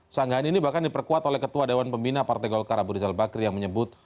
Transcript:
sanggahan ini bahkan diperkuat oleh ketua dewan pembina partai golkar abu rizal bakri yang menyebut